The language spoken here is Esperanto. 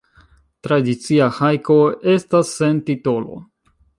Tradicia hajko estas sen titolo.